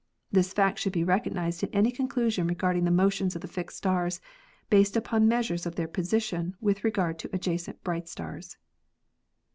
This fact should be recognised in any conclusion regarding the motions of the fixed stars, based upon measures of their position with regard to adjacent bright stars."